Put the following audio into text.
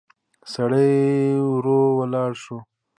سړی ورو ولاړ شو.